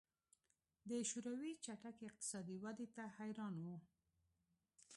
د شوروي چټکې اقتصادي ودې ته حیران وو